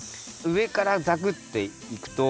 うえからザクッていくと。